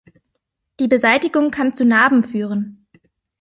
Die Beseitigung kann zu Narben führen.